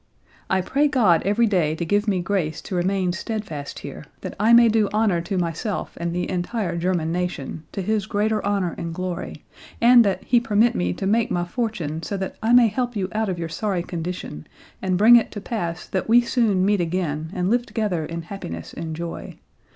"I pray God every day to give me grace to remain steadfast here, that I may do honor to myself and the entire German nation, to His greater honor and glory, and that He permit me to make my fortune so that I may help you out of your sorry condition, and bring it to pass that we soon meet again and live together in happiness and joy.